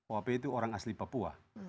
op itu orang asli papua